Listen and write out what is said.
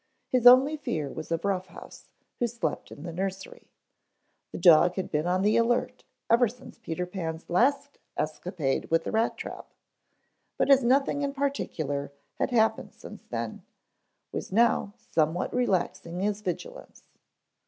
His only fear was of Rough House, who slept in the nursery. The dog had been on the alert ever since Peter Pan's last escapade with the rat trap, but as nothing in particular had happened since then, was now somewhat relaxing his vigilance.